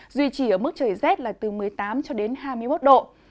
duy trì ở mức trời rét là từ một mươi tám hai mươi một độ c